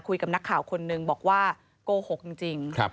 คุยกับนักข่าวคนหนึ่งบอกว่าโกหกจริง